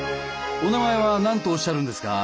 お名前は何とおっしゃるんですか？